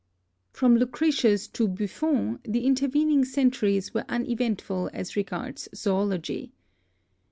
From Lucretius to Buffon the intervening centuries were uneventful as regards zoology.